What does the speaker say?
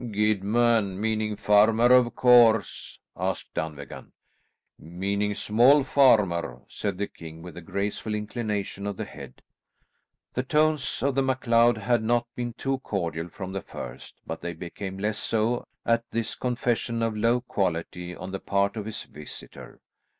"Guidman, meaning farmer of course?" asked Dunvegan. "Meaning small farmer," said the king with a graceful inclination of the head. The tones of the MacLeod had not been too cordial from the first, but they became less so at this confession of low quality on the part of his visitor.